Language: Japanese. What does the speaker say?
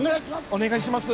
お願いします